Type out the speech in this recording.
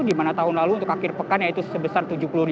di mana tahun lalu untuk akhir pekan yaitu sebesar tujuh puluh lima